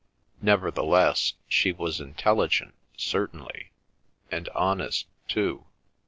Nevertheless she was intelligent certainly, and honest too.